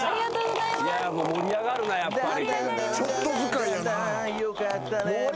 盛り上がるなやっぱり。